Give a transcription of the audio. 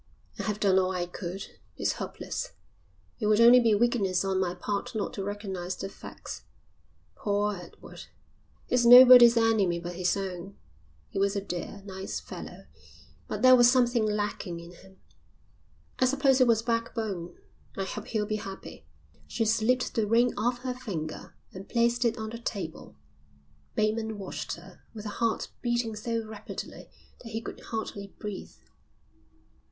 I have done all I could. It's hopeless. It would only be weakness on my part not to recognise the facts. Poor Edward, he's nobody's enemy but his own. He was a dear, nice fellow, but there was something lacking in him, I suppose it was backbone. I hope he'll be happy." She slipped the ring off her finger and placed it on the table. Bateman watched her with a heart beating so rapidly that he could hardly breathe.